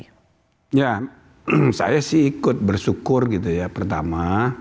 ya saya sih ikut bersyukur gitu ya pertama